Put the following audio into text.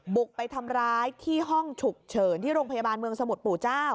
บุกไปทำร้ายที่ห้องฉุกเฉินที่โรงพยาบาลเมืองสมุทรปู่เจ้า